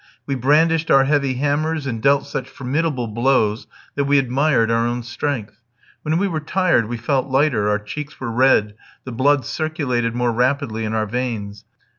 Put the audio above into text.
We brandished our heavy hammers, and dealt such formidable blows, that we admired our own strength. When we were tired we felt lighter, our cheeks were red, the blood circulated more rapidly in our veins.